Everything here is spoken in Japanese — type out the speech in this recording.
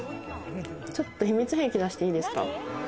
ちょっと秘密兵器出していいですか。